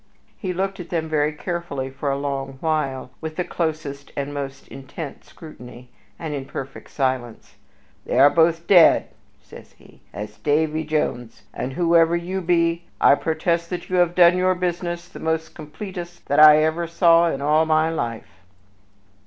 He looked at them very carefully for a long while, with the closest and most intent scrutiny, and in perfect silence. "They are both as dead," says he, "as Davy Jones, and, whoever you be, I protest that you have done your business the most completest that I ever saw in all of my life."